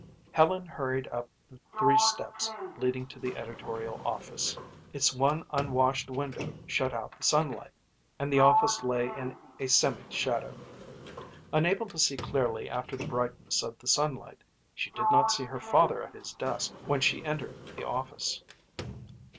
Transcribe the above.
Helen hurried up the three steps leading to the editorial office. Its one unwashed window shut out the sunlight, and the office lay in a semi shadow. Unable to see clearly after the brightness of the sunlight, she did not see her father at his desk when she entered the office.